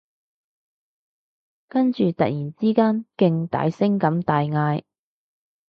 跟住突然之間勁大聲咁大嗌